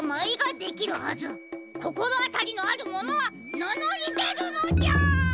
こころあたりのあるものはなのりでるのじゃ！